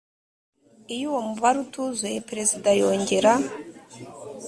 iyo uwo mubare utuzuye perezida yongera